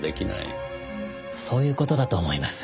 そういう事だと思います。